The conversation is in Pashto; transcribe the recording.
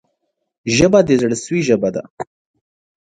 ژبه د زړه سوي ژبه ده